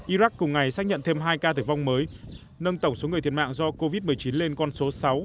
iraq cùng ngày xác nhận thêm hai ca tử vong mới nâng tổng số người thiệt mạng do covid một mươi chín lên con số sáu